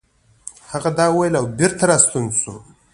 هغه دا وويل او بېرته راستون شو.